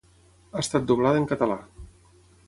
Ha estat doblada en català.